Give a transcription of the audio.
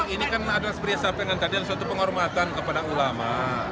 ini kan adalah sebuah penyelesaian yang tadil suatu penghormatan kepada ulama